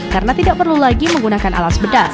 karena tidak perlu lagi menggunakan alas bedak